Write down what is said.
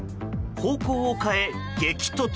方向を変え、激突。